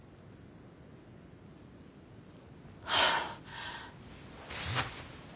はあ。